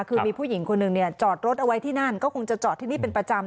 คือมีผู้หญิงคนหนึ่งเนี่ยจอดรถเอาไว้ที่นั่นก็คงจะจอดที่นี่เป็นประจำ